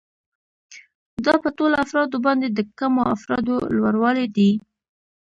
دا په ټولو افرادو باندې د کمو افرادو لوړوالی دی